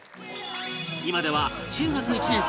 今では中学１年生